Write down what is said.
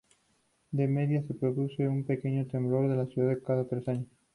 De media, se produce un pequeño temblor en la ciudad cada tres años.